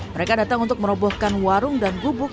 mereka datang untuk merobohkan warung dan gubuk